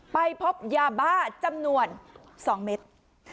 ไปพบยาบ้าจำนวน๒เม็ด